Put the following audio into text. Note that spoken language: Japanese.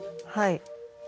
はい。